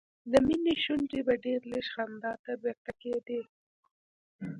د مينې شونډې به ډېر لږ خندا ته بیرته کېدې